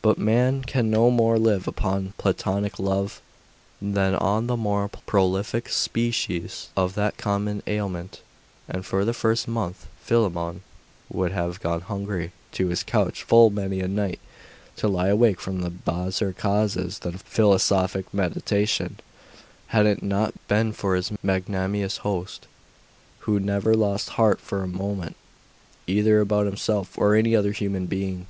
But man can no more live upon Platonic love than on the more prolific species of that common ailment; and for the first month Philammon would have gone hungry to his couch full many a night, to lie awake from baser causes than philosophic meditation, had it not been for his magnanimous host, who never lost heart for a moment, either about himself, or any other human being.